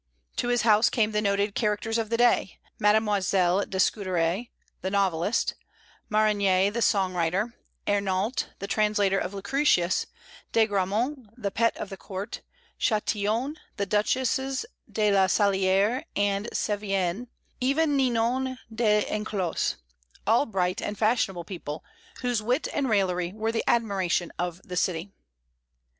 To his house came the noted characters of the day, Mademoiselle de Scudéry the novelist, Marigny the songwriter, Hénault the translator of Lucretius, De Grammont the pet of the court, Chatillon, the duchesses de la Salière and De Sévigné, even Ninon de L'Enclos; all bright and fashionable people, whose wit and raillery were the admiration of the city.